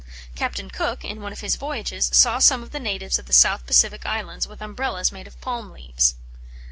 Captain Cook, in one of his voyages, saw some of the natives of the South Pacific Islands, with Umbrellas made of palm leaves.